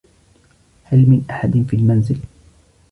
هل من أحد في المنزل؟